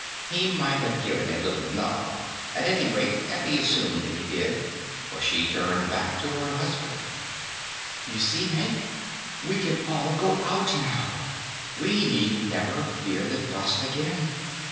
He might have given a little nod; at any rate, Effie assumed that he did, for she turned back to her husband. "You see, Hank? We can all go out now. We need never fear the dust again.